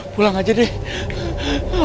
pulang aja deh